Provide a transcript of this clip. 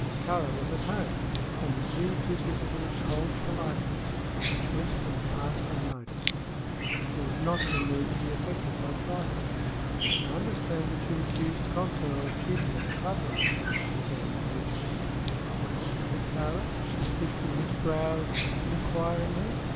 Kāra was at home and received his visitor with cold politeness, which Winston passed unnoticed. He was not in a mood to be affected by trifles. "I understand that you accused Consinor of cheating at the club last night," he began, impetuously. "Well?" said Kāra, lifting his brows inquiringly.